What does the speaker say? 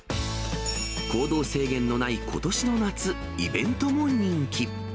行動制限のないことしの夏、イベントも人気。